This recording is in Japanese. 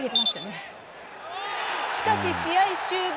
しかし、試合終盤。